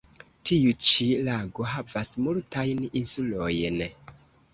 Tiu ĉi lago havas multajn insulojn.